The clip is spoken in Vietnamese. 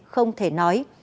không thể nói